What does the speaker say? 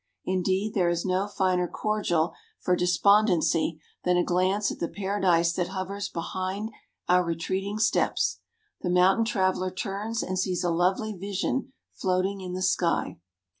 Indeed, there is no finer cordial for despondency than a glance at the paradise that hovers behind our retreating steps. The mountain traveller turns and sees a lovely vision floating in the sky.